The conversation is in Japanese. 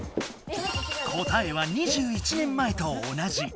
答えは２１年前と同じ。